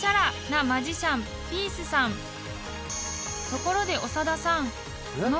［ところで長田さん］